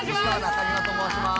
西川中庭と申します。